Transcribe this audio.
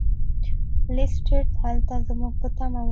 لیسټرډ هلته زموږ په تمه و.